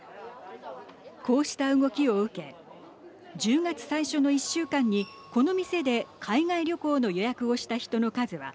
こうした動きを受け１０月最初の１週間にこの店で海外旅行の予約をした人の数は